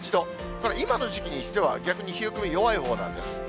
これ、今の時期にしては、逆に冷え込み弱いほうなんです。